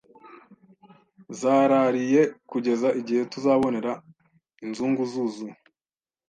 zarariye kugeza igihe tuzabonera inzungu zuzuye